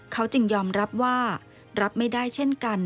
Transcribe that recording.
เขาจึงยอมรับว่ารับไม่ได้เช่นกัน